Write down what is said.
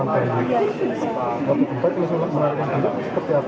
tapi tempat itu masih menarik